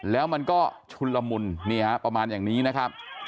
แล้วมันก็ชุนละมุนนี่ฮะประมาณอย่างนี้นะครับ